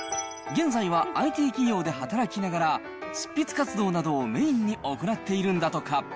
現在はＩＴ企業で働きながら、執筆活動などをメインに行っているんだとか。